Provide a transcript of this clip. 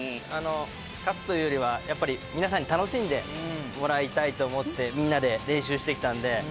勝つというよりは皆さんに楽しんでもらいたいと思ってみんなで練習してきたんで。